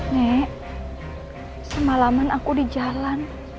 nek semalaman aku di jalan